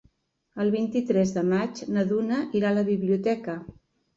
El vint-i-tres de maig na Duna irà a la biblioteca.